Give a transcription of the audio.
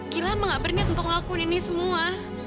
gilang mah nggak berniat untuk ngelakuin ini semua